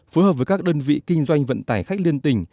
phối hợp với các đơn vị kinh doanh vận tải khách liên tỉnh